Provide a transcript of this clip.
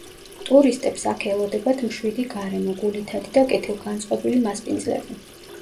ტურისტებს აქ ელოდებათ მშვიდი გარემო, გულითადი და კეთილგანწყობილი მასპინძლები.